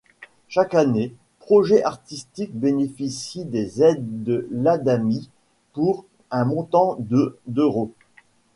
Chaque année, projets artistiques bénéficient des aides de l’Adami pour un montant de d'euros.